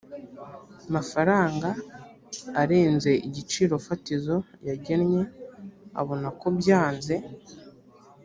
mafaranga arenze igiciro fatizo yagennye abona ko byanze